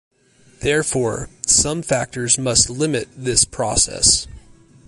Therefore, some factors must limit this process.